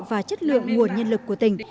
và chất lượng nguồn nhân lực của tỉnh